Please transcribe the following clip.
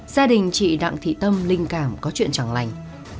gia đình chị đặng thị tâm linh cảm có chuyện tròng lành